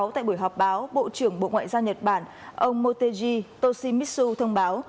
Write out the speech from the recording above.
tại buổi họp báo bộ trưởng bộ ngoại giao nhật bản ông motegi toshimitsu thông báo